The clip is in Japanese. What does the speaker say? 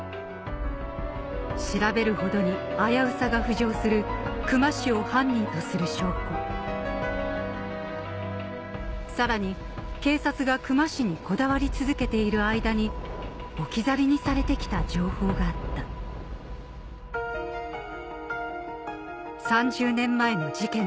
調べるほどに危うさが浮上する久間を犯人とする証拠さらに警察が久間にこだわり続けている間に置き去りにされて来た情報があった３０年前の事件